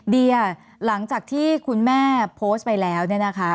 เดียหลังจากที่คุณแม่โพสต์ไปแล้วเนี่ยนะคะ